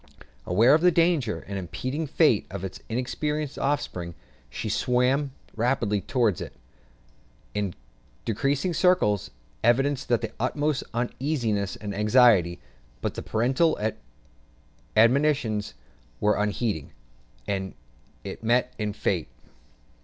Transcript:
Aware of the danger and impending fate of its inexperienced offspring, she swam rapidly round it, in decreasing circles, evincing the utmost uneasiness and anxiety; but the parental admonitions were unheeded, and it met its fate.